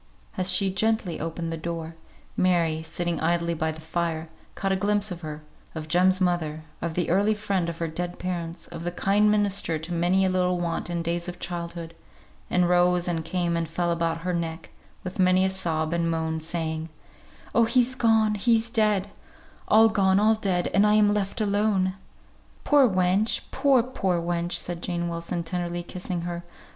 As she gently opened the door, Mary, sitting idly by the fire, caught a glimpse of her, of Jem's mother, of the early friend of her dead parents, of the kind minister to many a little want in days of childhood, and rose and came and fell about her neck, with many a sob and moan, saying, "Oh, he's gone he's dead all gone all dead, and I am left alone!" "Poor wench! poor, poor wench!" said Jane Wilson, tenderly kissing her.